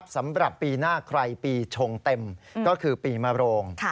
สำหรับปีหน้าใครปีชงเต็มก็คือปีมโรง